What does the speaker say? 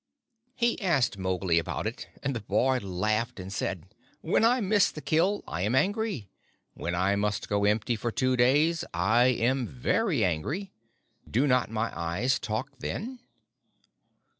He asked Mowgli about it, and the boy laughed and said: "When I miss the kill I am angry. When I must go empty for two days I am very angry. Do not my eyes talk then?"